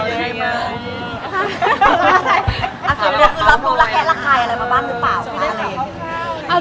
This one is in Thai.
คุณรับรู้รักแขะรักขายอะไรมาบ้างหรือเปล่า